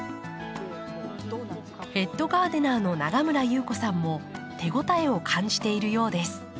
ヘッドガーデナーの永村裕子さんも手応えを感じているようです。